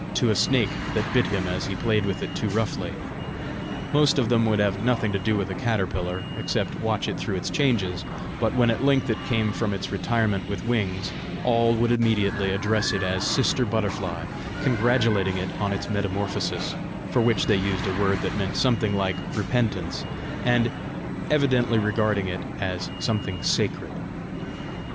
to a snake that bit him as he played with it too roughly. Most of them would have nothing to do with a caterpillar, except watch it through its changes; but when at length it came from its retirement with wings, all would immediately address it as Sister Butterfly, congratulating it on its metamorphosis for which they used a word that meant something like REPENTANCE and evidently regarding it as something sacred.